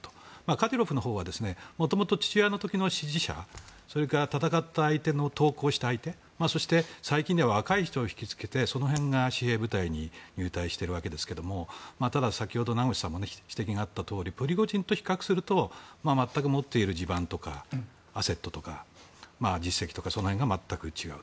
カディロフのほうはもともと父親の時の支持者それから戦った相手の投降した相手そして、最近では若い人を引き付けてその辺が部隊に入隊していますがただ先ほど名越さんの指摘があったようにプリゴジンと比較すると全く持っている地盤とか実績とかその辺が違う。